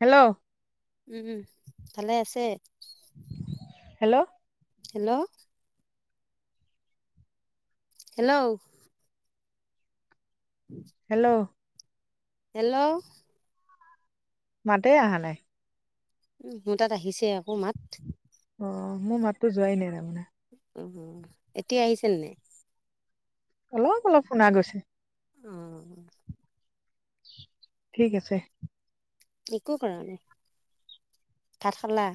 Hello, উম ভালে আছে। Hello hello, hello, hello hello মাতেই অহা নাই। উম', মোৰ তাত আহিছে আকৌ মাত। অ'হ, মোৰ মাতো যোৱাই নাই তাৰমানে অ', এতিয়া আহিছে নাই? অলপ-অলপ শুনা গৈছে। অহ ঠিক আছে। একো কৰা নাই, ভাত খালা?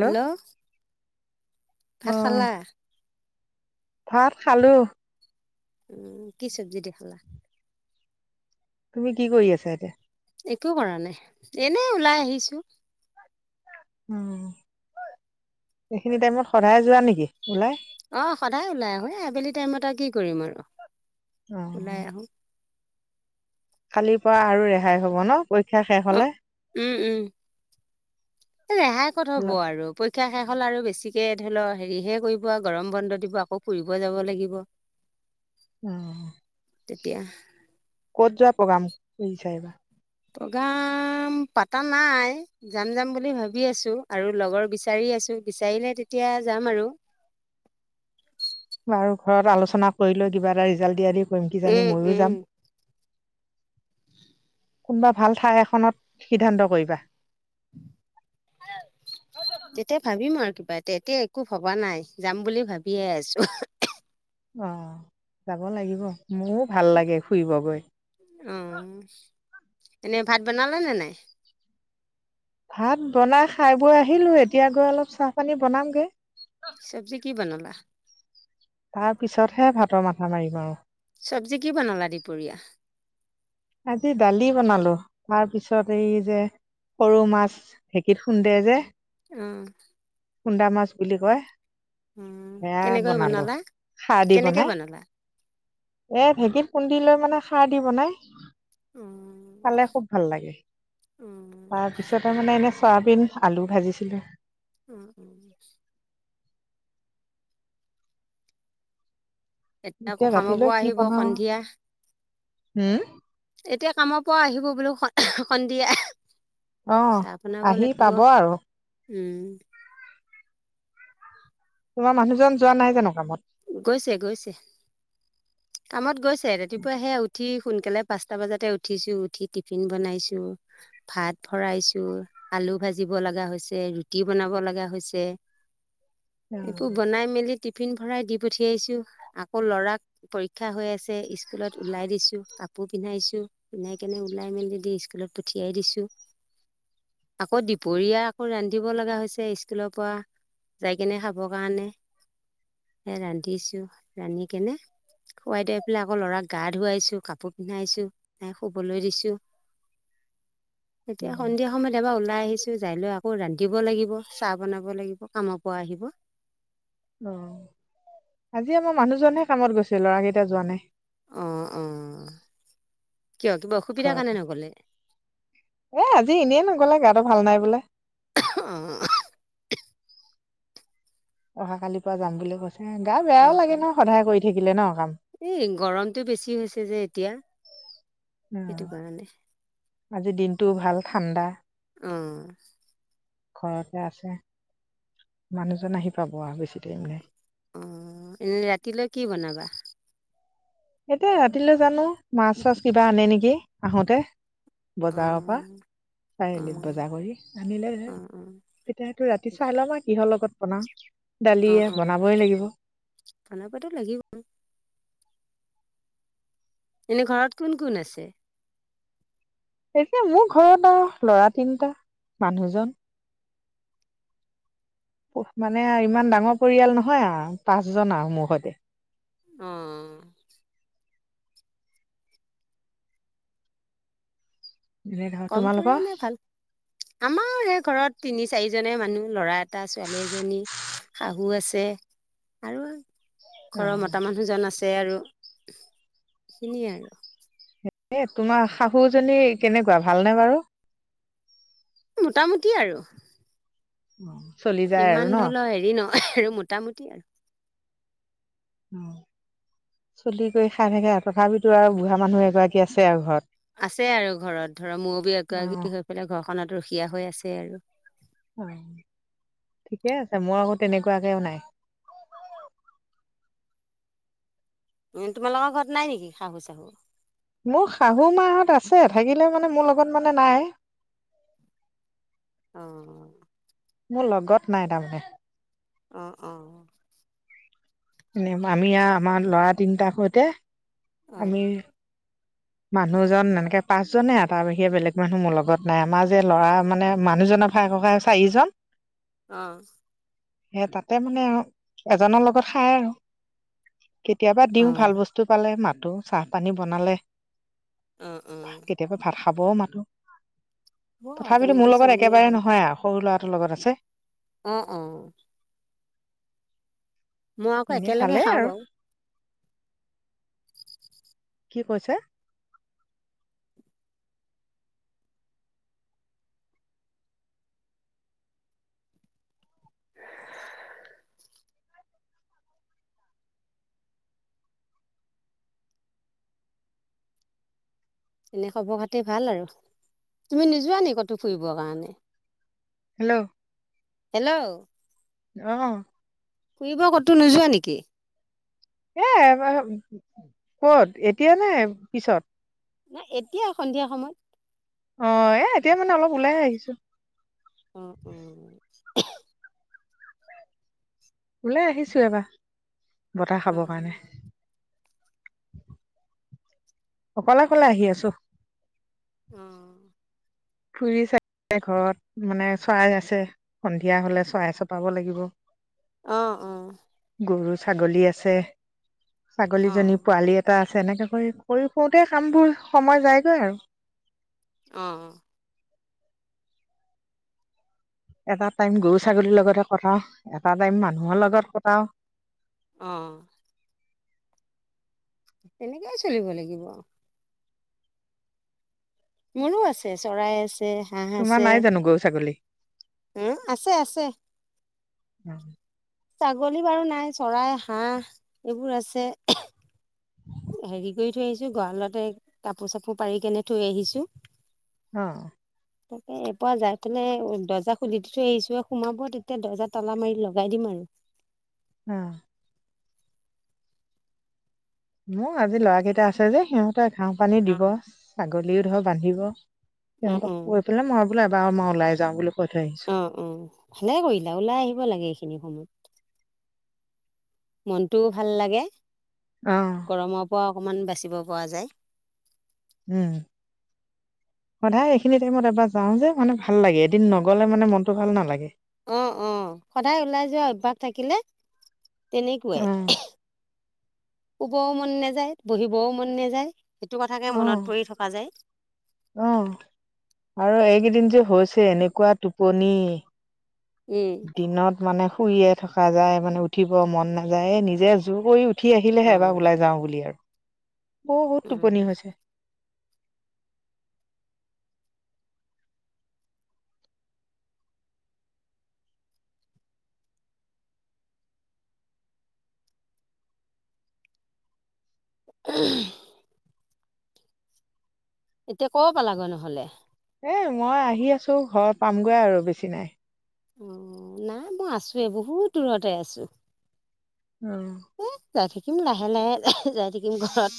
হেল্ল'? অ ভাত খালা ভাত খালোঁ। উম', কি চব্জি দি খালা? তুমি কি কৰি আছা এতিয়া? একো কৰা নাই, এনে ওলাই আহিছো। উম', এইখিনি টাইমত সদায় যোৱা নেকি ওলাই? অ', সদায় ওলাই আহো, এ আবেলি টাইমত আৰু কি কৰিম আৰু? অ ওলাই আহোঁ। কালিৰ পৰা আৰু ৰেহাই হ'ব ন, পৰীক্ষা শেষ অ হলে? উম উম ৰেহাই কত অ হব আৰু প শিক্ষা শেষ হ'ল আৰু বেছিকে ধৰি লও হেৰিহে কৰিব আৰু গৰম বন্ধ দিব আকৌ ফুৰিব যাব লাগিব। [inaudible] উম'। তেতিয়া। ক'ত যোৱা প্ৰগ্ৰাম কৰিছা এবাৰ? প্ৰগেম পাতা নাই, যাম-যাম বুলি ভাবি আছো আৰু লগৰ বিচাৰি। বিচাৰিলে তেতিয়া যাম আৰু। বাৰু ঘৰত আলোচনা কৰি লৈ কিবা এটা ৰিজাল্ট দিয়া দি। প্ৰম কীজানি উম ময়ো যাম? উম কোনোবা ভাল ঠাই এখনত সিদ্ধান্ত কৰিবা। তেতিয়া ভাবিম আৰু ক এতিয়া একো ভবা নাই যাম বুলি ভাবিয়ে আছো। অ', যাব লাগিব, মোৰো ভাল লাগে ফুৰিব গৈ। এনেই ভাত বনালে নে নাই? ভাত বনাই খাই বৈ আহিলো এতিয়া গৈ অলপ চাহ পানী বনামগে। চব্জি কি বনালা? তাৰ পিছতহে ভাতৰ মাথা মাৰিম আৰু। চব্জি কি বনালা দুপৰীয়া? আজি দালি বনালো তাৰ পিছত এই যে। সৰু মাছ ঢেঁকীত খুন্দে যে? উম'। খুন্দা মাছ বুলি কয়। অ সেয়া কেনেকৈ বনালো, বনালা খাৰ দি কেনেকে বনাই। বনালা এ ভেঁকীত খুন্দি লৈ মানে সাৰ দি বনাই। অ খালে খুব ভাল লাগে, অ তাৰপিছতে মানে এনে। চয়াবিন আলু ভাজিছিলোঁ। উম'-উম'। এতিয়া আকৌ কামৰ ৰাতিলৈ পৰা কি আহিব বনাও সন্ধিয়া। হম এতিয়া কামৰ পৰা আহিব বোলো সন্দিয়া। অঁ আহি পাব আৰু। উম। তোমাৰ মানুহজন যোৱা নাই জানো কামত? গৈছে গৈছে কামত গৈছে ৰাতিপুৱা সে উঠি। সোনকালে পাঁচটা বজাতে উঠিছো, উঠি টিফিন বনাইছো, ভাত ভৰাইছো, আ। আলু ভাজিব লগা হৈছে ৰুটি বনাব লগা হৈছে। এইবোৰ বনাই মেলি টিফিন ভৰাই দি। পঠিয়াইছো আকৌ লৰাক পৰীক্ষা হৈ আছে স্কুলত ওলাই দিছো কা। কাপোৰ পিন্ধাইছো পিন্ধাই কেনে ওলাই মেলি দি স্কুলত পঠিয়াই দিছোঁ। আকৌ দুপৰীয়া আকৌ ৰান্ধিব লগা হৈছে স্কুলৰ পৰা। যাই কেনে খাবৰ কাৰণে এ ৰান্ধিছো ৰান্ধি কেনে। খোৱাই দুৱাই পেলাই আকৌ লৰাক গা ধুৱাইছো, কাপোৰ পিন্ধাইছো, সেয়া শুবলৈ দিছো। এতিয়া সন্ধিয়া সময়ত এবাৰ ওলাই আহিছো যাই লৈ আ। আকৌ ৰান্ধিব লাগিব, চাহ বনাব লাগিব, কামৰ পৰা আহিব। অঁ। আজি আমাৰ মানুহজনহে কামত গৈছে, লৰাকেইটা যোৱা নাই। অহ অহ। ঘৰত এ আজি এনেই নগলে গাটো ভাল নাই বোলে। অ। অহা কালিৰ পৰা যাম বুলি কৈছে গা বেয়াও অঁ লাগে অঁ ন সদায় কৰি থাকিলে ন কাম? এই গৰমটো বেছি হৈছে যে এতিয়া অ সেইটো কাৰণে। আজি দিনটো ভাল ঠাণ্ডা। অঁ ঘৰতে আছে মানুহজন আহি পাব আৰু বেছি দেৰি নাই। অ এনে ৰাতিলৈ কি বনাবা? এতিয়া ৰাতিলৈ জানো মাছ-চাছ কিবা আনে নেকি আহোঁতে। বজাৰৰ পৰা অঁ চাৰিআলিত অঁ বজাৰ কৰি আনিলেহে অঁ তেতিয়াহে ৰাতি চাই লম আৰু কিহৰ লগত বনাও। দালিয়ে অ-অ বনাবই লাগিব আনিবটো লাগিবই। এনে ঘৰত কোন-কোন আছে? এতিয়া মোৰ ঘৰত আৰু লৰা তিনিটা, মানুহজন। মানে ইমান ডাঙৰ পৰিয়াল নহয় আও পাঁচজন আও আৰু মোৰ সতি। অঁহ। এনে ধৰ কম তোমালোকৰ পৰিয়ালে ভাল। আমাৰ সেই ঘৰত তিনি চাৰিজনে মানুহ। লৰা এটা, ছোৱালী এজনী, শাহু আছে। আৰু অ ঘৰৰ মতা মানুহজন আছে আৰু সেইখিনিয়ে আৰু। এ তোমাৰ শাহুজনী কেনেকুৱা ভালনে বাৰু? মোটামুটি আৰু। অ চলি যায় আৰু ইমান ন? ধৰি লও হেৰি নহয় আৰু মোটামুটি আৰু। অ চলি কৰি খাই থাকে আৰু তথাপিতো আৰু বুঢ়া মানুহ এগৰাকী আছে আৰু ঘৰত। আছে আৰু ঘৰত। ধৰক মুৰব্বী অ হৈ পেলাই ঘৰখনত ৰখীয়া হৈ আছে আৰু। অ ঠিকে আছে, মোৰ আকৌ তেনেকুৱাকেও নাই। উ, তোমালোকৰ ঘৰত নাই নেকি শাহু চাহু? মোৰ শাহু মাহঁত আছে, থাকিলে মানে মোৰ লগত মানে নাই। অঁ। মোৰ লগত নাই তাৰমানে। অ-অ। এনে আমি আ আমাৰ লৰা তিনটাৰ সৈতে, অ অ আমি মানুহজন এনেকে পাঁচজনে তাৰ বাহিৰে বেলেগ মানুহ মোৰ লগত নাই। আমাৰ যে ল'ৰা মানে মানুহজনৰ ভাই ককাই চাৰিজন অহ সেই তাতে মানে এজনৰ লগত খাই আৰু কেতিয়াবা দিওঁ ভাল বস্তু পালে মাতো চাহ পানী বনালে অ অ কেতিয়াবা ভাত খাবও মাতো হ'ব আৰু তথাপিতো তেনেকে মোৰ লগত চলিলেই একেবাৰে হ'ল নহয় আও সৰু ল'ৰাটোৰ লগত আছে অ অ মই আকৌ এনে একেলগে ভালেই খাওঁ আৰু বাও কি কৈছে এনে খবৰ খাতি ভাল আৰু তুমি নোযোৱা নি কতো ফুৰিবৰ কাৰণে হেল্ল' হেল্ল' অ ফুৰিব কতো নোযোৱা নেকি এ ক'ত এতিয়া নে পিছত এতিয়া সন্ধিয়া সময়ত অহ এ এতিয়া মানে অলপ ওলাই আহিছো অহ অহ এ ওলাই আহিছো এবাৰ বতাহ অ খাবৰ কাৰণে অকলে অকলে আহি আছো অহ ফুৰি ছে মানে ঘৰত মানে চৰাই আছে সন্ধিয়া হলে চৰাই চপাব লাগিব অহ অহ গৰু ছাগলী আছে ছাগলীজনী পোৱালি এটা তেনেকে কৰি কৰি ফুৰোতে কামবোৰ সময় যায়গৈ আৰু অহ এটা টাইম গৰু ছাগলীৰ লগতে কটাওঁ এটা টাইম মানুহৰ লগত কটাও অ তেনেকেই চলিব লাগিব মোৰো আছে চৰাই আছে হাঁহ তোমাৰ আছে নাই জানো গৰু ছাগলী উম আছে আছে উম ছাগলী বাৰু নাই চৰাই হাঁহ এইবোৰ আছে হেৰি কৰি থৈ আহিছো গঁৰালতে কাপোৰ চাপোৰ পাৰি কেনে থৈ আহিছো অহ তাকে এপুৱা যাই পেলাই দৰ্জা খুলি দি থৈ আহিছো সোমাব তেতিয়া দৰ্জা তলা মাৰি লগাই দিম আৰু [inaudible] আহ মোৰ আজি লৰা কেইটা আছে যে সিহঁতে ঘাঁহ পানী দিব ছাগলীও ধৰ বান্ধিব অ অ সিহঁতক অ কৈ পেলাই মই বোলো এবাৰ মই ওলাই যাওঁ বোলো অ অ ভালে কৰিলা ওলাই আহিব লাগে এইখিনি সময়ত মনটোও ভাল লাগে অ গৰমৰ পৰা অকণমান বাচিব পৰা যায় উম সদায় এইখিনি টাইমত এবাৰ যাওঁ যে মানে ভাল লাগে এদিন নগলে মানে মনতটো ভাল নালাগে অহ অহ সদায় ওলাই যোৱা অভ্যাস থাকিলে তেনেকোৱাই অ শুব মন নাযায় বহিবও মন নাযায় সেইটো কথাকে অ মনত পৰি থকা যায় অ আৰু এইকেইদিন যে হৈছে এনেকুৱা টোপনি উম দিনত মানে শুইয়ে থকা যায় মানে উঠিব মন নাযায় নিজে জোৰ কৰি উঠি সি অ আহিলেহে এবাৰ ওলাই যাওঁ বুলি আৰু। বহুত উম টোপনি হৈছে। [unintelligible] এতিয়া ক পালাগৈ নহলে? এই মই আহি আছোঁ ঘৰ পামগৈ আৰু বেছি নাই। অ, নাই মই আছোৱে, বহুত দূৰতে আছো। উ। যাই থাকিম লাহে-লাহে, যাই থাকিম ঘৰত।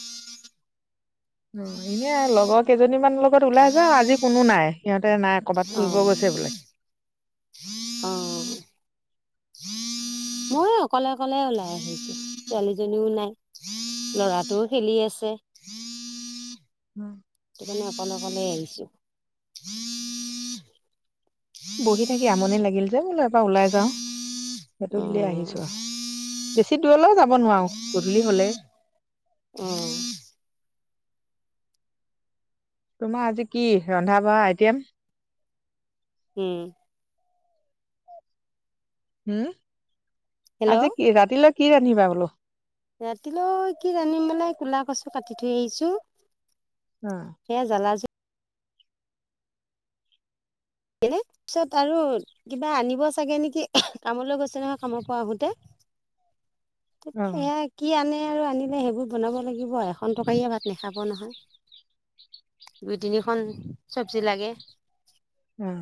অ এনে লগৰ কেইজনী মানৰ লগত ওলাই যাও, আজি কোনো নাই। ততে নাই কবাত অ ফুৰিব গৈছে বোলে। অ মইও অকলে-অকলে ওলাই আহিছো। ছোৱালীজনীও নাই। লৰাটোও খেলি আছে। উম। সেইকাৰণে অকলে-অকলে আহিছো। বহি থাকি আমনি লাগিল যে মই বোলো এবাৰ ওলাই যাও। সেইটো অ বুলিয়েই আহিছো। বেছি দূৰলৈও যাব নোৱাৰো, গধূলি হলে। উম। তোমাৰ আজি কি ৰন্ধা বঢ়া আইটেম? উম। হুম? আজি হেল্ল' কি ৰাতিলৈ কি ৰান্ধিবা বোলো? ৰাতিলৈ কি ৰান্ধিম মানে কোলা কচু কাটি থৈ আহিছো। অ সেয়া জ্বালাজো এনে পিছত আৰু কিবা আনিব চাগে নেকি। কামলৈ গৈছে নহয় কামৰ পৰা আহোতে। অ এ কি আনে আৰু আনিলে সেইবোৰ বনাব লাগিব এখন টকাৰিয়ে ভাত নাখাব নহয়। দুই তিনিখন চবজি লাগে। উম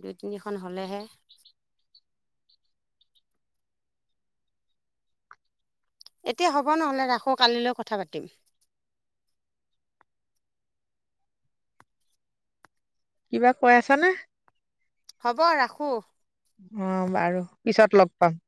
দুই তিনিখন হ'লেহে। এতিয়া হ'ব নহলে ৰাখো কালিলৈ কথা পাতিম। কিবা কৈ আছা নে? হব ৰাখো। অ বাৰু পিছত লগ পাম।